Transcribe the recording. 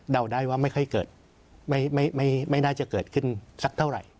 ได้ว่าไม่ค่อยเกิดไม่น่าจะเกิดขึ้นสักเท่าไหร่